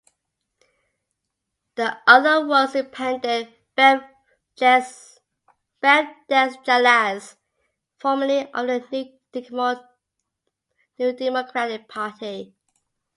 The other was independent Bev Desjarlais, formerly of the New Democratic Party.